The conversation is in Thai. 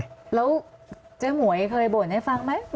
แล้วเจ๊หมวยเคยบ่นให้ฟังไหม